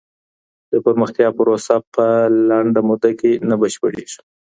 د پرمختيا پروسه په لنډه موده کي نه بشپړېږي.